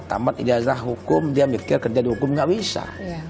tamat ijazah hukum dia mikir kerja di hukum nggak bisa